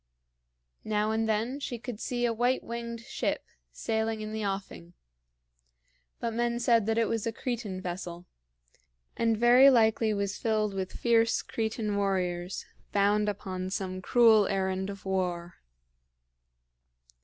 Now and then she could see a white winged ship sailing in the offing; but men said that it was a Cretan vessel, and very likely was filled with fierce Cretan warriors, bound upon some cruel errand of war.